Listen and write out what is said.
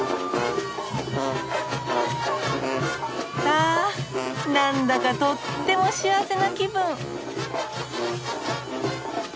あなんだかとっても幸せな気分！